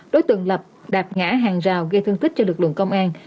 đối tượng lập đạp ngã hàng rào gây thương tích cho lực lượng công an